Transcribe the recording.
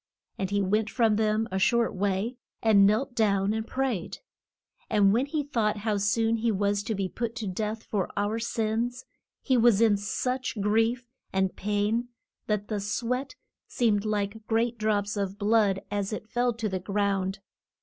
And he went from them a short way, and knelt down and prayed. And when he thought how soon he was to be put to death for our sins, he was in such grief and pain that the sweat seemed like great drops of blood as it fell to the ground.